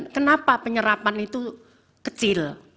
kenapa penyerapan itu kecil